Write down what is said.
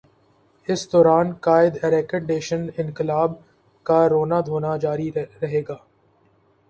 اس دوران قائد ائیرکنڈیشنڈ انقلاب کا رونا دھونا جاری رہے گا۔